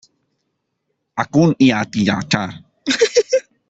A kun i a ṭhi a char.